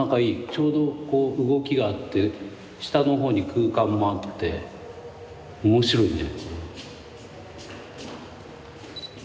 ちょうど動きがあって下の方に空間もあって面白いね。